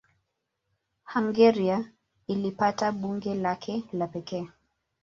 Hungaria ilipata bunge lake la pekee.